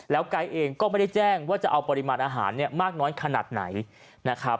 แล้วก็ก็ไม่ได้แจ้งว่าจะเอาปริมาณอาหารมากน้อยขนาดไหน